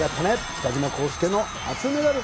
北島康介の初メダル